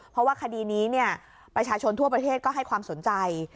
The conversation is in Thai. เพราะว่าคดีนี้ประชาชนทั่วประเทศก็ให้ความสนใจ